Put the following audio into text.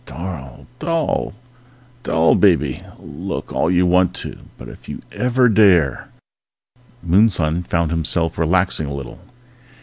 _ _Darl, doll, doll baby! Look all you want to! But if you ever dare _ Moonson found himself relaxing a little.